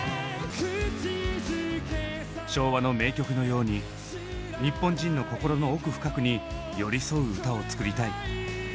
昭和の名曲のように日本人の心の奥深くに寄り添う歌を作りたい。